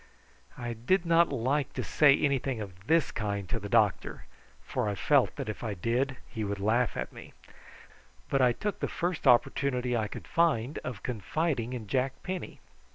I did not like to say anything of this kind to the doctor, for I felt that if I did he would laugh at me; but I took the first opportunity I could find of confiding in Jack Penny.